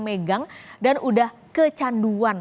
megang dan udah kecanduan